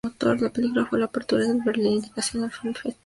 La película fue la apertura del Berlin International Film Festival.